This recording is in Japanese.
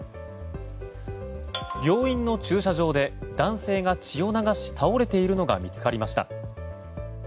病院の駐車場で男性が血を流し倒れているのが見つかりました。